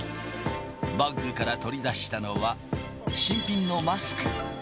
バッグから取り出したのは新品のマスク。